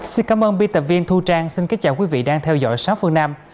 xin cảm ơn biên tập viên thu trang xin kính chào quý vị đang theo dõi sáu phương nam